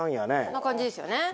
な感じですよね。